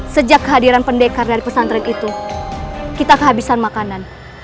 sejak kehadiran pendekar dari pesantren itu kita kehabisan makanan